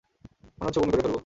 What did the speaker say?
মনে হচ্ছে বমি করে ফেলবো।